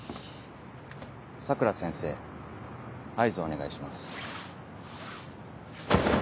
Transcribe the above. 佐倉先生合図をお願いします。